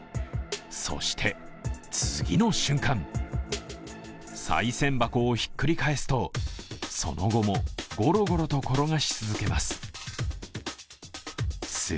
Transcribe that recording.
そして、次の瞬間、さい銭箱をひっくり返すとその後もゴロゴロと転がし続けます。